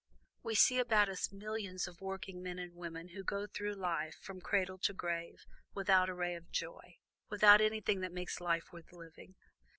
"We see about us millions of working men and women who go through life, from cradle to grave, without a ray of joy, without anything that makes life worth living.